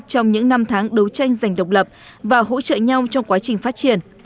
trong những năm tháng đấu tranh giành độc lập và hỗ trợ nhau trong quá trình phát triển